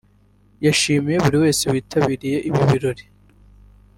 yashimiye buri wese witabiriye ibi birori